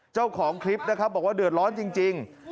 เจ้าของคลิปนะครับบอกว่าเดือดร้อนจริง